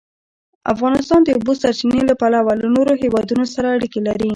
افغانستان د د اوبو سرچینې له پلوه له نورو هېوادونو سره اړیکې لري.